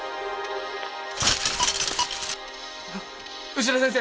牛田先生